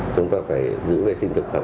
chúng ta phải giữ vệ sinh thực phẩm